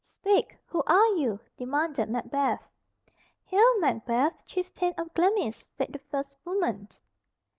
"Speak, who are you?" demanded Macbeth. "Hail, Macbeth, chieftain of Glamis," said the first woman.